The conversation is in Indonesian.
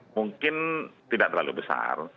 mungkin tidak terlalu besar